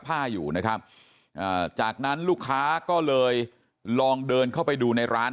ผ้าอยู่นะครับอ่าจากนั้นลูกค้าก็เลยลองเดินเข้าไปดูในร้าน